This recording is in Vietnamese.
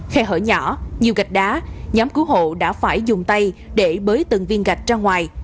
khe hở nhỏ nhiều gạch đá nhóm cứu hộ đã phải dùng tay để bới từng viên gạch ra ngoài